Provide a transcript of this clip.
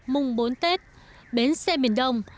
mùng bốn tết bến xe miền đông